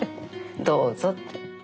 「どうぞ」って。